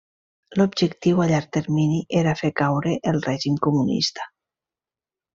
L'objectiu, a llarg termini, era fer caure el règim comunista.